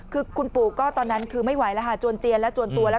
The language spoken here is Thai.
คือคุณปู่ก็ตอนนั้นคือไม่ไหวแล้วค่ะจวนเจียนแล้วจวนตัวแล้ว